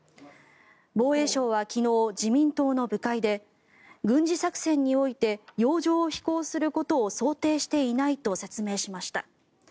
防衛省は昨日、自民党の部会で軍事作戦において洋上を飛行することを想定していないと説明しました。